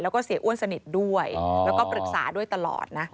แล้วก็เสียอ้วนสนิทด้วยแล้วก็ปรึกษาด้วยตลอดนะ